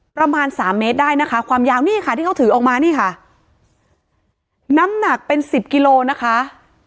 ประมาณสามเมตรได้นะคะความยาวนี่ค่ะที่เขาถือออกมานี่ค่ะน้ำหนักเป็นสิบกิโลนะคะ